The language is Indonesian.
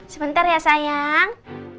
sebentar ya sayang